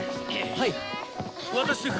はい。